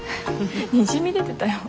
にじみ出てたよ。